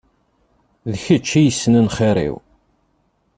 D kečč i yesnen xir-iw.